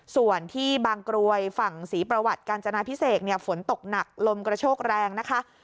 ส่วนที่บางกรวยฝั่งศรีประวัติกาญจนาพิเศษฝนตกหนักลมกระโชกแรงนะคะ